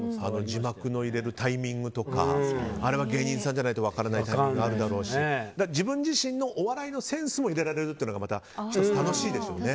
字幕に出るタイミングとか芸人さんじゃないと分からないことがあるだろうし自分自身のお笑いのセンスも入れられるというのがまた、１つ楽しいでしょうね。